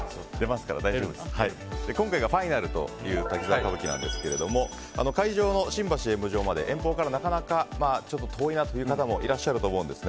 今回がファイナルという「滝沢歌舞伎」ですけども会場の新橋演舞場まで遠方からなかなか遠いなという方もいらっしゃると思うんですね。